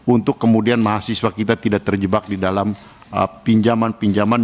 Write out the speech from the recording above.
untuk kemudian mahasiswa kita tidak terjebak di dalam pinjaman pinjaman